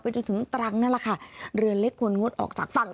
จนถึงตรังนั่นแหละค่ะเรือเล็กควรงดออกจากฝั่ง